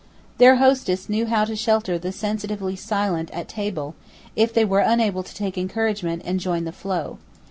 Their hostess knew how to shelter the sensitively silent at table, if they were unable to take encouragement and join the flow.